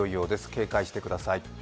警戒してください。